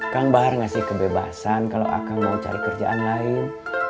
kang bahar ngasih kebebasan kalau akan mau cari kerjaan lain